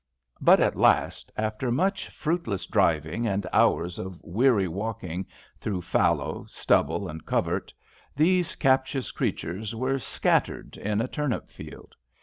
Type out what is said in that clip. But at last, after much fruitless ^Mriving'' and hours of weary walking through fallow, stubble, and covert, these captious creatures were "scattered'' in a turnip field.